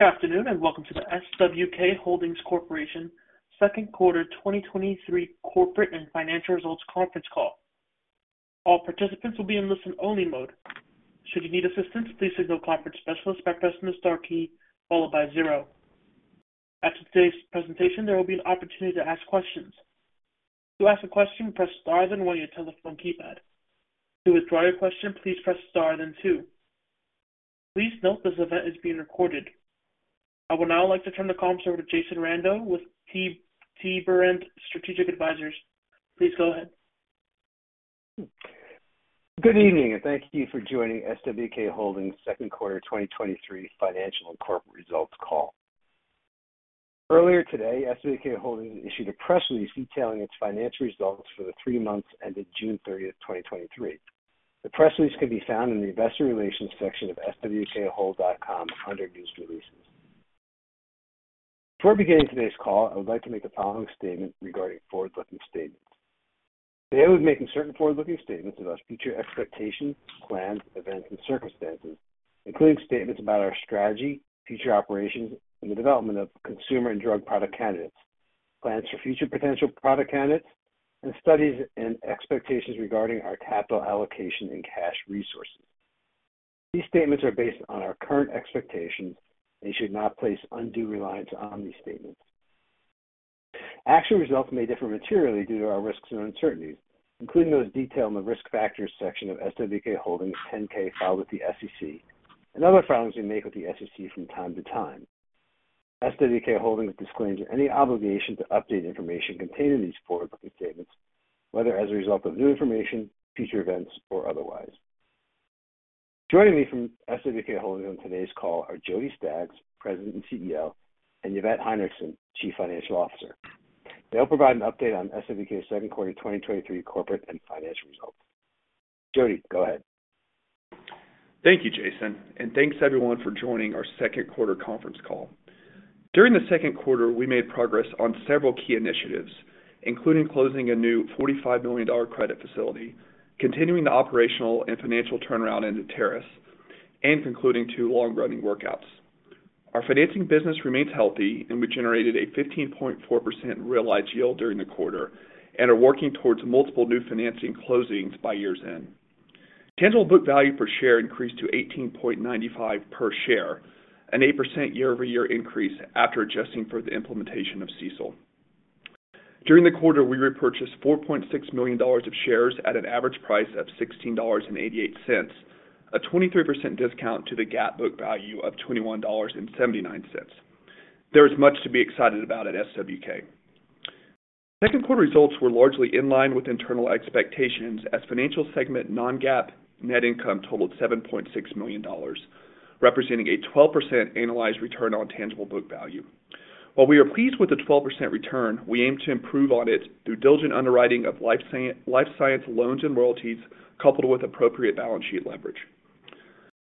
Good afternoon, and welcome to the SWK Holdings Corporation Second Quarter 2023 Corporate and Financial Results Conference Call. All participants will be in listen-only mode. Should you need assistance, please signal conference specialist by pressing the star key, followed by zero. After today's presentation, there will be an opportunity to ask questions. To ask a question, press star, then one your telephone keypad. To withdraw your question, please press star, then two. Please note, this event is being recorded. I would now like to turn the call over to Jason Rando, with Tiberend Strategic Advisors. Please go ahead. Good evening, thank you for joining SWK Holdings Second Quarter 2023 Financial and Corporate Results Call. Earlier today, SWK Holdings issued a press release detailing its financial results for the three months ended June 30, 2023. The press release can be found in the Investor Relations section of swkhold.com under News Releases. Before beginning today's call, I would like to make the following statement regarding forward-looking statements. Today, we're making certain forward-looking statements about future expectations, plans, events, and circumstances, including statements about our strategy, future operations, and the development of consumer and drug product candidates, plans for future potential product candidates, and studies and expectations regarding our capital allocation and cash resources. These statements are based on our current expectations, you should not place undue reliance on these statements. Actual results may differ materially due to our risks and uncertainties, including those detailed in the Risk Factors section of SWK Holdings' 10-K filed with the SEC and other filings we make with the SEC from time to time. SWK Holdings disclaims any obligation to update information contained in these forward-looking statements, whether as a result of new information, future events, or otherwise. Joining me from SWK Holdings on today's call are Jody Staggs, President and CEO, and Yvette Heinrichson, Chief Financial Officer. They'll provide an update on SWK's second quarter 2023 corporate and financial results. Jody, go ahead. Thank you, Jason, thanks everyone for joining our second quarter conference call. During the second quarter, we made progress on several key initiatives, including closing a new $45 million credit facility, continuing the operational and financial turnaround into Enteris, and concluding two long-running workouts. Our financing business remains healthy, and we generated a 15.4% realized yield during the quarter and are working towards multiple new financing closings by year's end. Tangible book value per share increased to $18.95 per share, an 8% year-over-year increase after adjusting for the implementation of CECL. During the quarter, we repurchased $4.6 million of shares at an average price of $16.88, a 23% discount to the GAAP book value of $21.79. There is much to be excited about at SWK. Second quarter results were largely in line with internal expectations, as financial segment non-GAAP net income totaled $7.6 million, representing a 12% annualized return on tangible book value. While we are pleased with the 12% return, we aim to improve on it through diligent underwriting of life science loans and royalties, coupled with appropriate balance sheet leverage.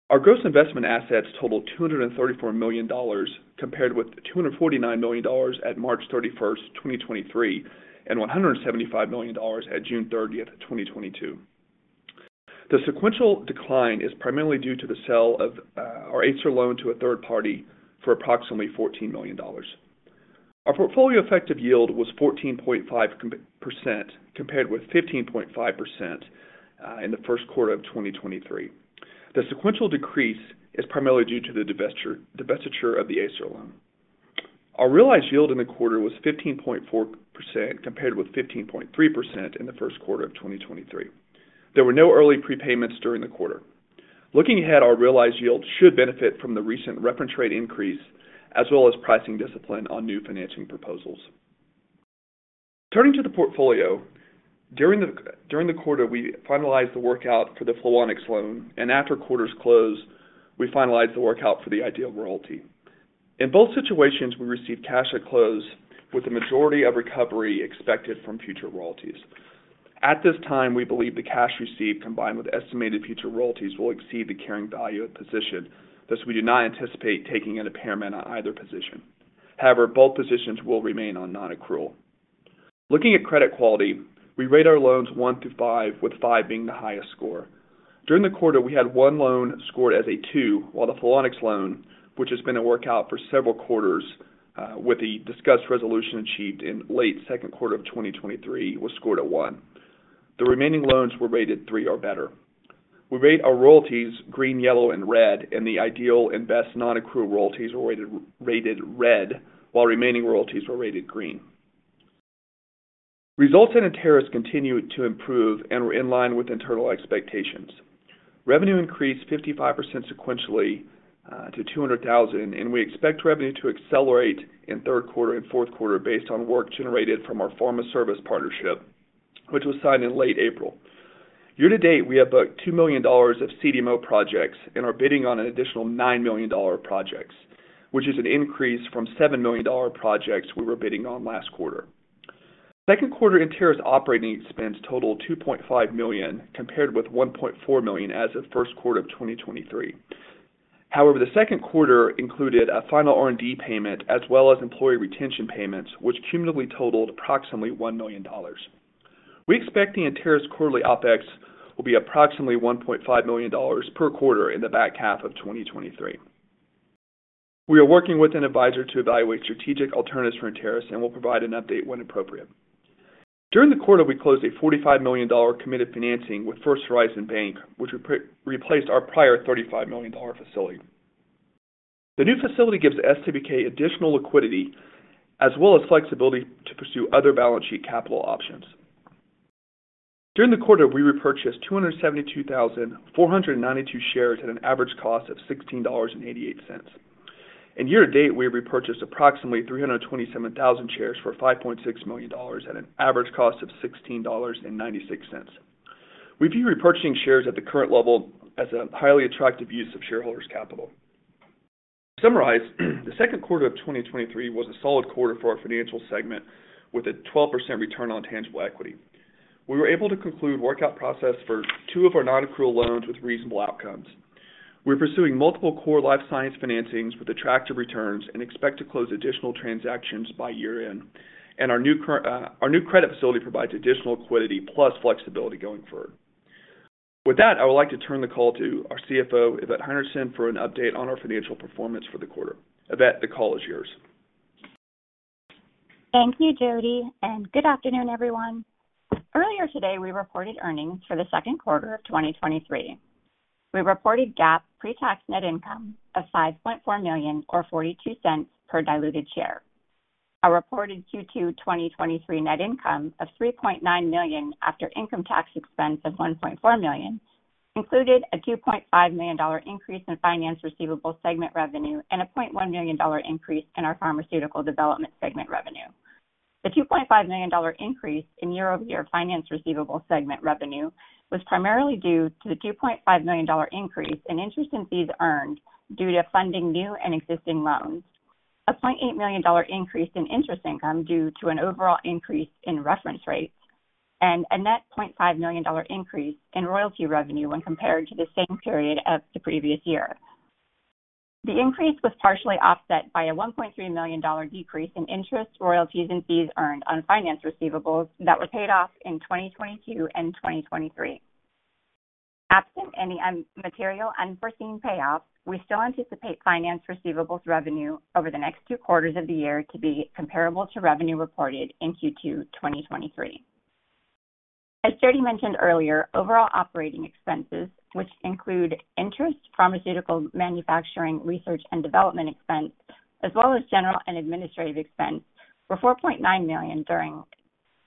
Our gross investment assets totaled $234 million, compared with $249 million at March 31, 2023, and $175 million at June 30, 2022. The sequential decline is primarily due to the sale of our Acer loan to a third party for approximately $14 million. Our portfolio effective yield was 14.5%, compared with 15.5% in the first quarter of 2023. The sequential decrease is primarily due to the divesture, divestiture of the Acer loan. Our realized yield in the quarter was 15.4%, compared with 15.3% in the first quarter of 2023. There were no early prepayments during the quarter. Looking ahead, our realized yield should benefit from the recent reference rate increase, as well as pricing discipline on new financing proposals. Turning to the portfolio, during the quarter, we finalized the workout for the Flowonix loan, and after quarter's close, we finalized the workout for the Ideal Royalty. In both situations, we received cash at close, with the majority of recovery expected from future royalties. At this time, we believe the cash received, combined with estimated future royalties, will exceed the carrying value of position, thus, we do not anticipate taking an impairment on either position. However, both positions will remain on non-accrual. Looking at credit quality, we rate our loans 1 to 5, with 5 being the highest score. During the quarter, we had 1 loan scored as a 2, while the Flowonix loan, which has been a workout for several quarters, with the discussed resolution achieved in late second quarter of 2023, was scored a 1. The remaining loans were rated 3 or better. We rate our royalties green, yellow, and red, and the Ideal Implant and best non-accrual royalties were rated red, while remaining royalties were rated green. Results in Enteris continued to improve and were in line with internal expectations. Revenue increased 55% sequentially, to $200,000, and we expect revenue to accelerate in third quarter and fourth quarter based on work generated from our pharma service partnership, which was signed in late April. Year-to-date, we have booked $2 million of CDMO projects and are bidding on an additional $9 million projects, which is an increase from $7 million projects we were bidding on last quarter. Second quarter, Enteris operating expense totaled $2.5 million, compared with $1.4 million as of first quarter of 2023. However, the second quarter included a final R&D payment as well as employee retention payments, which cumulatively totaled approximately $1 million. We expect the Enteris quarterly OpEx will be approximately $1.5 million per quarter in the back half of 2023. We are working with an advisor to evaluate strategic alternatives for Enteris and will provide an update when appropriate. During the quarter, we closed a $45 million committed financing with First Horizon Bank, which replaced our prior $35 million facility. The new facility gives SWK additional liquidity, as well as flexibility to pursue other balance sheet capital options. During the quarter, we repurchased 272,492 shares at an average cost of $16.88. In year-to-date, we have repurchased approximately 327,000 shares for $5.6 million at an average cost of $16.96. We view repurchasing shares at the current level as a highly attractive use of shareholders' capital. To summarize, the second quarter of 2023 was a solid quarter for our financial segment, with a 12% return on tangible equity. We were able to conclude workout process for two of our nonaccrual loans with reasonable outcomes. We're pursuing multiple core life science financings with attractive returns and expect to close additional transactions by year-end. Our new credit facility provides additional liquidity plus flexibility going forward. With that, I would like to turn the call to our CFO, Yvette Heinrichson, for an update on our financial performance for the quarter. Yvette, the call is yours. Thank you, Jody, and good afternoon, everyone. Earlier today, we reported earnings for the second quarter of 2023. We reported GAAP pre-tax net income of $5.4 million, or $0.42 per diluted share. Our reported Q22023 net income of $3.9 million, after income tax expense of $1.4 million, included a $2.5 million increase in finance receivable segment revenue and a $0.1 million increase in our pharmaceutical development segment revenue. The $2.5 million increase in year-over-year finance receivable segment revenue was primarily due to the $2.5 million increase in interest and fees earned due to funding new and existing loans. A $0.8 million increase in interest income due to an overall increase in reference rates and a net $0.5 million increase in royalty revenue when compared to the same period of the previous year. The increase was partially offset by a $1.3 million decrease in interest, royalties, and fees earned on finance receivables that were paid off in 2022 and 2023. Absent any material unforeseen payoffs, we still anticipate finance receivables revenue over the next two quarters of the year to be comparable to revenue reported in Q22023. As Jody mentioned earlier, overall operating expenses, which include interest, pharmaceutical, manufacturing, research and development expense, as well as general and administrative expense, were $4.9 million during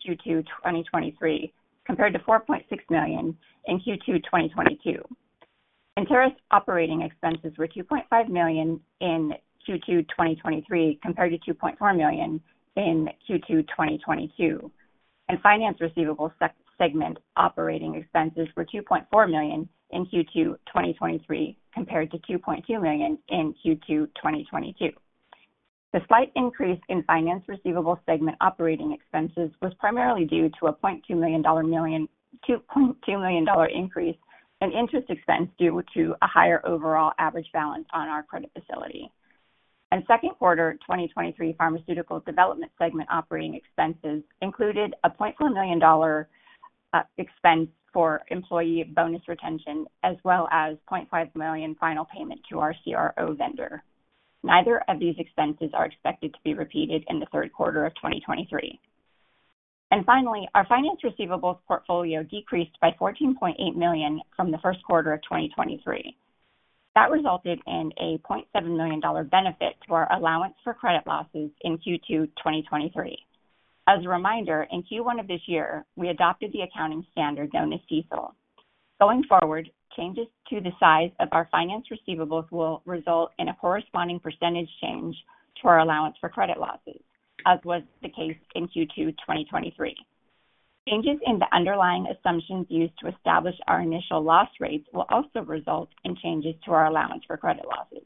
Q22023, compared to $4.6 million in Q22022. Enteris operating expenses were $2.5 million in Q2 2023, compared to $2.4 million in Q2 2022. Finance receivables segment operating expenses were $2.4 million in Q2 2023, compared to $2.2 million in Q2 2022. The slight increase in finance receivable segment operating expenses was primarily due to a $2.2 million increase in interest expense due to a higher overall average balance on our credit facility. In second quarter 2023, pharmaceutical development segment operating expenses included a $0.1 million expense for employee bonus retention as well as $0.5 million final payment to our CRO vendor. Neither of these expenses are expected to be repeated in the third quarter of 2023. Finally, our finance receivables portfolio decreased by $14.8 million from the first quarter of 2023. That resulted in a $700,000 benefit to our allowance for credit losses in Q22023. As a reminder, in Q1 of this year, we adopted the accounting standard known as CECL. Going forward, changes to the size of our finance receivables will result in a corresponding percentage change to our allowance for credit losses, as was the case in Q22023. Changes in the underlying assumptions used to establish our initial loss rates will also result in changes to our allowance for credit losses.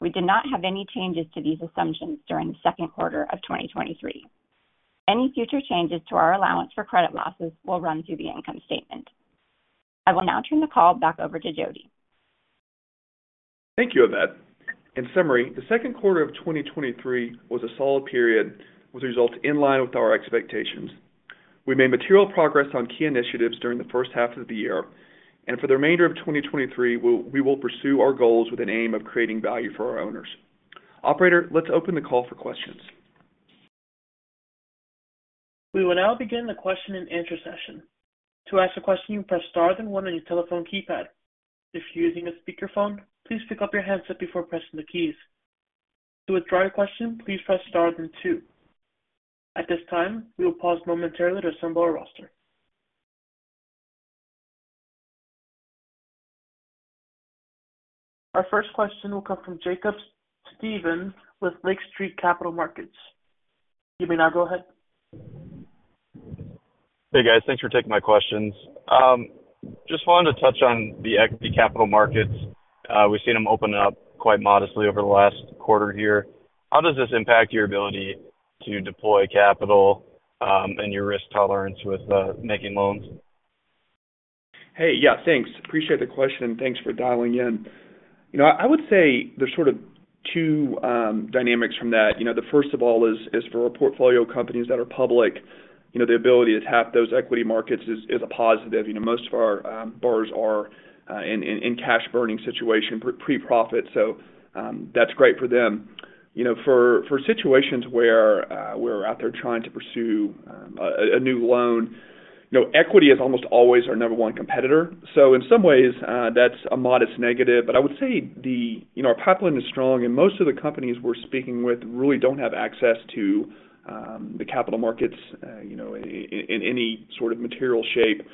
We did not have any changes to these assumptions during the second quarter of 2023. Any future changes to our allowance for credit losses will run through the income statement. I will now turn the call back over to Jody. Thank you, Yvette. In summary, the second quarter of 2023 was a solid period, with results in line with our expectations. We made material progress on key initiatives during the first half of the year. For the remainder of 2023, we will pursue our goals with an aim of creating value for our owners. Operator, let's open the call for questions. We will now begin the question-and-answer session. To ask a question, press star then one on your telephone keypad. If you're using a speakerphone, please pick up your handset before pressing the keys. To withdraw your question, please press star then two. At this time, we will pause momentarily to assemble our roster. Our first question will come from Jacob Stephan with Lake Street Capital Markets. You may now go ahead. Hey, guys. Thanks for taking my questions. Just wanted to touch on the equity capital markets. We've seen them open up quite modestly over the last quarter here. How does this impact your ability to deploy capital, and your risk tolerance with making loans? Hey, yeah, thanks. Appreciate the question, and thanks for dialing in. You know, I would say there's sort of two dynamics from that. You know, the first of all is, is for our portfolio companies that are public, you know, the ability to tap those equity markets is, is a positive. You know, most of our borrowers are in, in, in cash burning situation pre-profit, so that's great for them. You know, for, for situations where we're out there trying to pursue a, a new loan, you know, equity is almost always our number one competitor. In some ways, that's a modest negative. I would say the, you know, our pipeline is strong, and most of the companies we're speaking with really don't have access to the capital markets, you know, in any sort of material shape.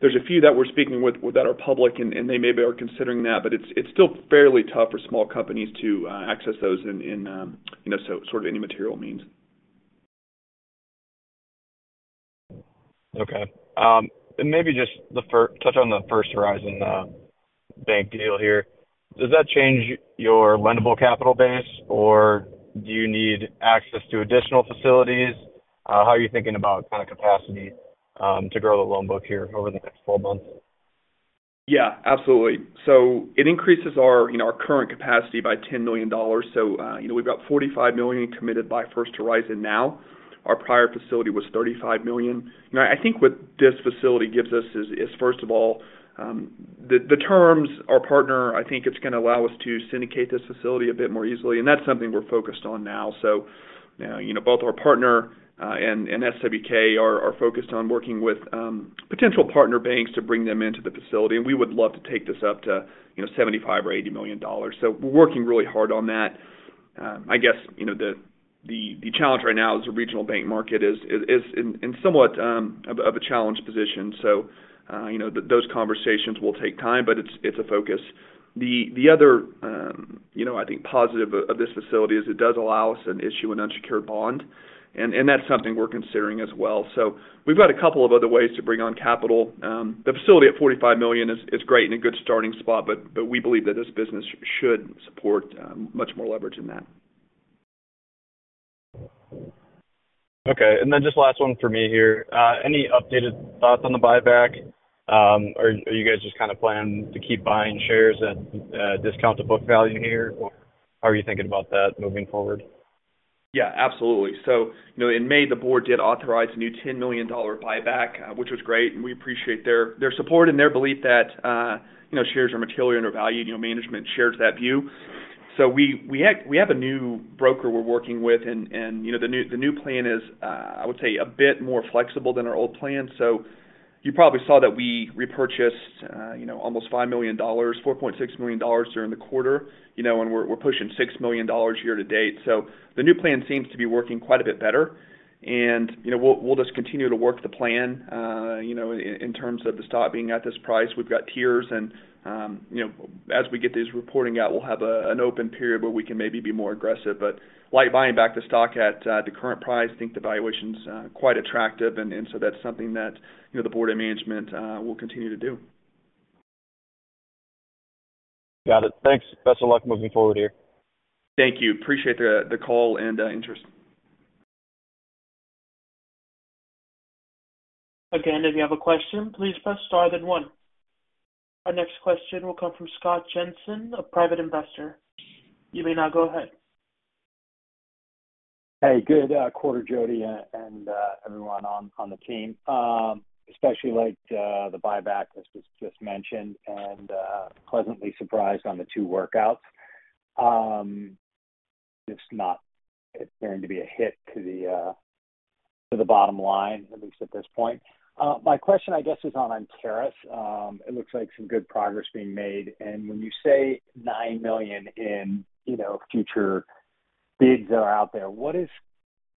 There's a few that we're speaking with that are public, and, and they maybe are considering that, but it's, it's still fairly tough for small companies to access those in, in, you know, so sort of any material means. Okay. Maybe just touch on the First Horizon bank deal here. Does that change your lendable capital base, or do you need access to additional facilities? How are you thinking about kind of capacity to grow the loan book here over the next 12 months? Yeah, absolutely. It increases our, you know, our current capacity by $10 million. You know, we've got $45 million committed by First Horizon now. Our prior facility was $35 million. You know, I think what this facility gives us is, is first of all, the, the terms, our partner, I think it's gonna allow us to syndicate this facility a bit more easily, and that's something we're focused on now. You know, both our partner and SWK are focused on working with potential partner banks to bring them into the facility, and we would love to take this up to, you know, $75 million or $80 million. We're working really hard on that. I guess, you know, the, the, the challenge right now is the regional bank market is, is, is in, in somewhat of a challenged position. You know, those conversations will take time, but it's, it's a focus. The, the other, you know, I think positive of, of this facility is it does allow us to issue an unsecured bond, and, and that's something we're considering as well. We've got a couple of other ways to bring on capital. The facility at $45 million is, is great and a good starting spot, but, but we believe that this business should support much more leverage than that. Okay, then just last one for me here. Any updated thoughts on the buyback? Are you guys just kind of planning to keep buying shares at discount to book value here, or how are you thinking about that moving forward? Yeah, absolutely. You know, in May, the board did authorize a new $10 million buyback, which was great, and we appreciate their, their support and their belief that, you know, shares are materially undervalued, you know, management shares that view. We, we have, we have a new broker we're working with, and, and, you know, the new, the new plan is, I would say, a bit more flexible than our old plan. You probably saw that we repurchased, you know, almost $5 million, $4.6 million during the quarter, you know, and we're, we're pushing $6 million year-to-date. The new plan seems to be working quite a bit better, and, you know, we'll, we'll just continue to work the plan, you know, in terms of the stock being at this price. We've got tiers and, you know, as we get these reporting out, we'll have an open period where we can maybe be more aggressive. Like buying back the stock at the current price, I think the valuation's quite attractive, and, and so that's something that, you know, the board of management will continue to do. Got it. Thanks. Best of luck moving forward here. Thank you. Appreciate the call and interest. Again, if you have a question, please press star then one. Our next question will come from Scott Jensen, a private investor. You may now go ahead. Hey, good quarter, Jody, and, and everyone on, on the team. Especially liked the buyback, as was just mentioned, and pleasantly surprised on the two workouts. It's not appearing to be a hit to the bottom line, at least at this point. My question, I guess, is on Enteris. It looks like some good progress being made, and when you say $9 million in, you know, future bids that are out there, what is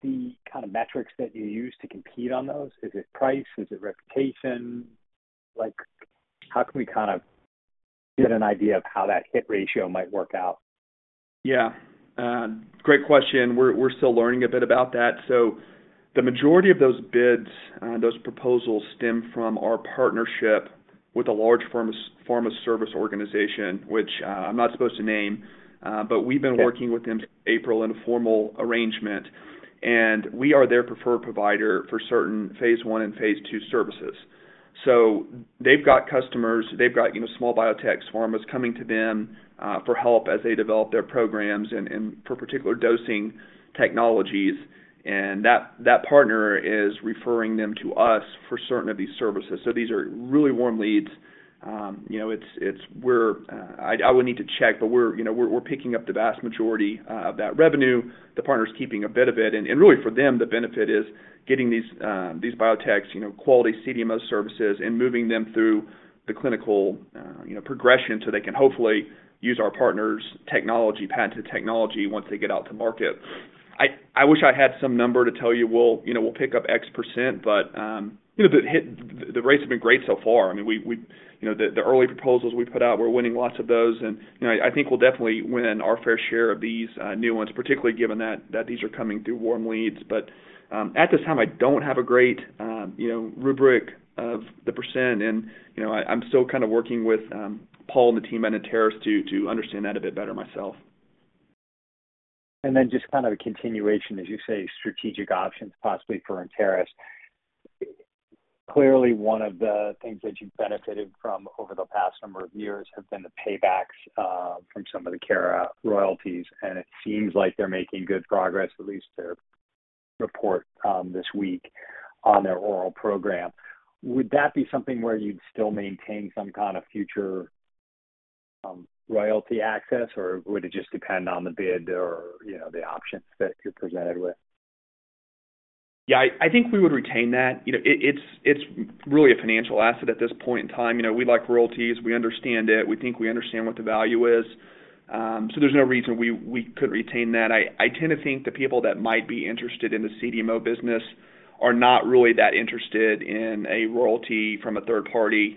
the kind of metrics that you use to compete on those? Is it price? Is it reputation? Like, how can we kind of get an idea of how that hit ratio might work out? Yeah, great question. We're, we're still learning a bit about that. The majority of those bids, those proposals stem from our partnership with a large pharma service organization, which, I'm not supposed to name. We've been... Okay... working with them since April in a formal arrangement, and we are their preferred provider for certain phase 1 and phase 2 services. They've got customers, they've got, you know, small biotechs, pharmas coming to them for help as they develop their programs and for particular dosing technologies. That partner is referring them to us for certain of these services. These are really warm leads. You know, I would need to check, but we're, you know, picking up the vast majority of that revenue. The partner is keeping a bit of it, and, and really for them, the benefit is getting these biotechs, you know, quality CDMO services and moving them through the clinical, you know, progression, so they can hopefully use our partner's technology, patented technology, once they get out to market. I, I wish I had some number to tell you, we'll, you know, we'll pick up X%, but, you know, the hit, the rates have been great so far. I mean, we, we, you know, the, the early proposals we put out, we're winning lots of those, and, you know, I think we'll definitely win our fair share of these new ones, particularly given that, that these are coming through warm leads. At this time, I don't have a great, you know, rubric of the percent, and, you know, I, I'm still kind of working with, Paul and the team at Enteris to, to understand that a bit better myself. Then just kind of a continuation, as you say, strategic options possibly for Enteris. Clearly, one of the things that you've benefited from over the past number of years has been the paybacks, from some of the Cara royalties, and it seems like they're making good progress, at least to report, this week on their oral program. Would that be something where you'd still maintain some kind of future, royalty access, or would it just depend on the bid or, you know, the options that you're presented with? Yeah, I, I think we would retain that. You know, it, it's, it's really a financial asset at this point in time. You know, we like royalties. We understand it. We think we understand what the value is, so there's no reason we, we couldn't retain that. I, I tend to think the people that might be interested in the CDMO business are not really that interested in a royalty from a third party.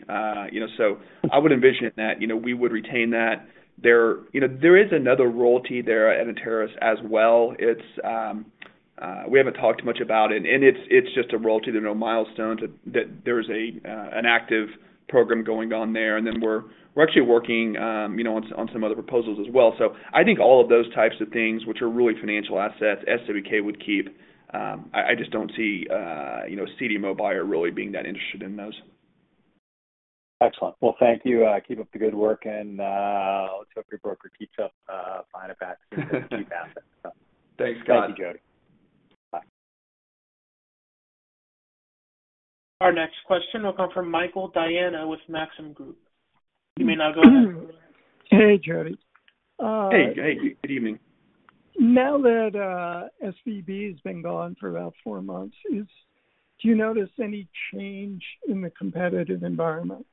You know, so I would envision that, you know, we would retain that. There, you know, there is another royalty there at Enteris as well. It's, we haven't talked much about it, and it's, it's just a royalty. There are no milestones. That there's a an active program going on there, and then we're, we're actually working, you know, on some, some other proposals as well. I think all of those types of things, which are really financial assets, SWK would keep. I, I just don't see, you know, CDMO buyer really being that interested in those. Excellent. Well, thank you. Keep up the good work and, let's hope your broker keeps up, finding back key assets. Thanks, Scott. Thank you, Jody. Bye. Our next question will come from Michael Diana with Maxim Group. You may now go ahead. Hey, Jody. Hey, hey, good evening. Now that SVB has been gone for about four months, do you notice any change in the competitive environment?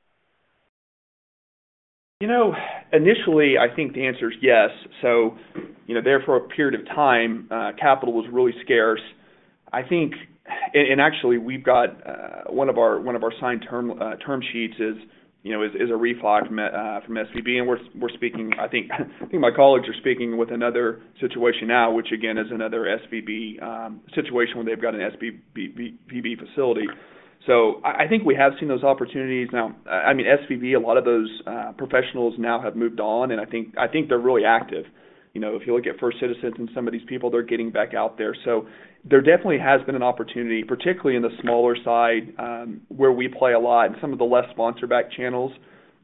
You know, initially, I think the answer is yes. You know, there for a period of time, capital was really scarce. I think, and actually, we've got one of our, one of our signed term, term sheets is, you know, is, is a refi from SVB, and I think, I think my colleagues are speaking with another situation now, which again, is another SVB situation where they've got an SVB, BB, BB facility. I, I think we have seen those opportunities. Now, I, I mean, SVB, a lot of those professionals now have moved on, and I think, I think they're really active. You know, if you look at First Citizens and some of these people, they're getting back out there. There definitely has been an opportunity, particularly in the smaller side, where we play a lot in some of the less sponsor-backed channels.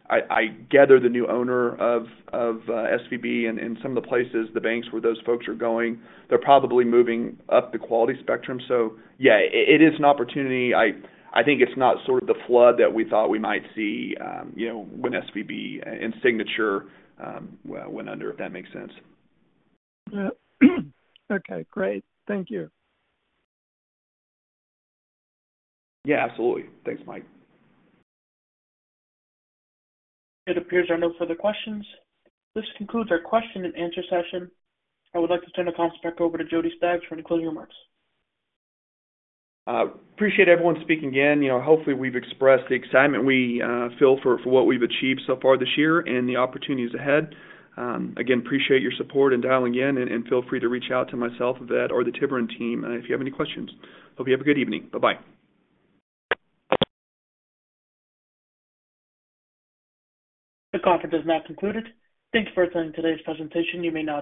I, I gather the new owner of, of SVB and, and some of the places, the banks where those folks are going, they're probably moving up the quality spectrum. Yeah, it, it is an opportunity. I, I think it's not sort of the flood that we thought we might see, you know, when SVB and Signature went under, if that makes sense. Yeah. Okay, great. Thank you. Yeah, absolutely. Thanks, Mike. It appears there are no further questions. This concludes our question and answer session. I would like to turn the conference back over to Jody Staggs for any closing remarks. Appreciate everyone speaking in. You know, hopefully, we've expressed the excitement we feel for what we've achieved so far this year and the opportunities ahead. Again, appreciate your support and dialing in, and feel free to reach out to myself, Yvette, or the Tiberend team if you have any questions. Hope you have a good evening. Bye-bye. The conference is now concluded. Thank You for attending today's presentation. You may now disconnect.